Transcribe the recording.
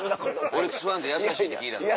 オリックスファン優しいって聞いたのに。